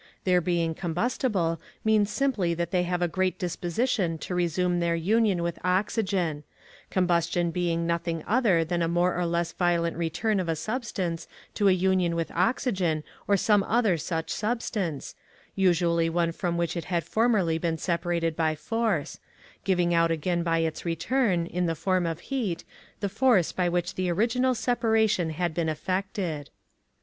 Their being combustible means simply that they have a great disposition to resume their union with oxygen combustion being nothing other than a more or less violent return of a substance to a union with oxygen or some other such substance, usually one from which it had formerly been separated by force giving out again by its return, in the form of heat, the force by which the original separation had been effected.